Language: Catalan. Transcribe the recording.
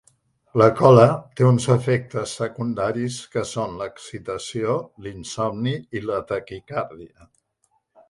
La cola té uns efectes secundaris que són l'excitació, l'insomni i la taquicàrdia.